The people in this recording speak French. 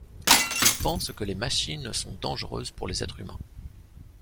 Ils pensent que les machines sont dangereuses pour les êtres humains.